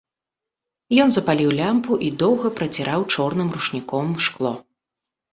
Ён запаліў лямпу і доўга праціраў чорным ручніком шкло.